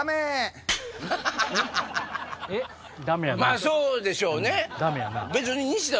まぁそうでしょうね。